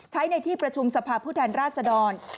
ใช้ในที่ประชุมสภาพฤทธาราชดร